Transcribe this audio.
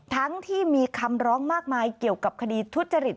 ทั้งที่มีคำร้องมากมายเกี่ยวกับคดีทุจริต